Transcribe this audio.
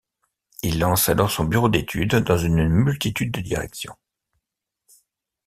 Il lance alors son bureau d’études dans une multitude de directions.